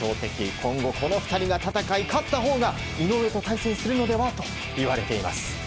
今後この２人が戦い勝ったほうが井上と対戦するのではといわれています。